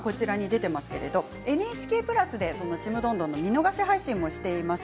ＮＨＫプラスで「ちむどんどん」の見逃し配信もしています。